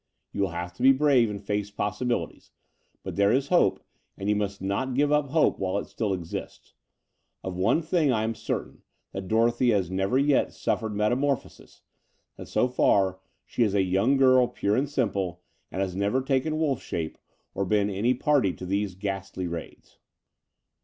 You will have to be brave and face possibilities; but there is hope, and you must not give up hope while it still exists. Of one thing I am certain — that Dorothy has never yet suffered metamorpho sis, that so far she is a yotmg girl pure and simple, and has never taken wolf shape or been any party to these ghastly raids."